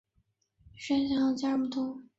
与事前的想像截然不同